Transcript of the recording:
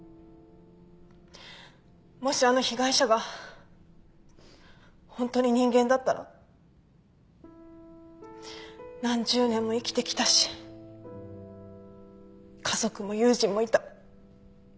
もしあの被害者がホントに人間だったら何十年も生きてきたし家族も友人もいた。